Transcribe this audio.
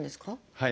はい。